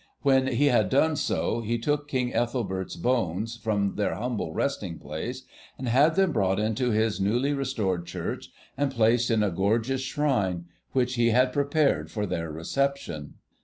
When he had done so, he took King Ethelbert's bones from their humble resting place, and had them brought into his newly restored church and placed in a gorgeous shrine which he had prepared for their reception.